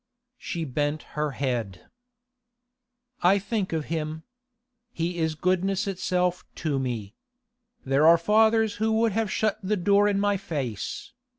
She bent her head. 'I think of him. He is goodness itself to me. There are fathers who would have shut the door in my face.